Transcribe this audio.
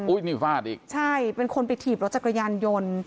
นี่ฟาดอีกใช่เป็นคนไปถีบรถจักรยานยนต์